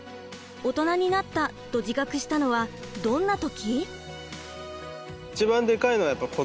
オトナになったと自覚したのはどんな時？